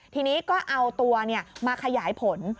ทีนี้ก็เอาตัวมาขยายผล